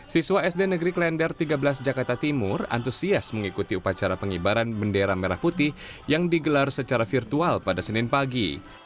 siswa sd negeri klender tiga belas jakarta timur antusias mengikuti upacara pengibaran bendera merah putih yang digelar secara virtual pada senin pagi